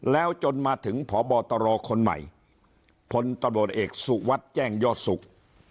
แล้วจนมาถึงพบตรคนใหม่พตเสุวัตย์แจ้งยอดศุกร์